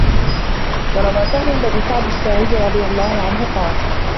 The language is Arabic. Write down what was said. وَرَوَى سَهْلُ بْن سَعْدٍ السَّاعِدِيّ رَضِيَ اللَّهُ عَنْهُ قَالَ